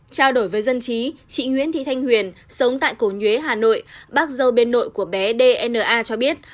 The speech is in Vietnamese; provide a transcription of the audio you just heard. trao đổi với dân trí chị nguyễn thị thanh huyền sống tại cổ nhuế hà nội bác dâu bên nội của bé dna cho biết